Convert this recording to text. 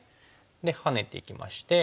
でハネていきまして。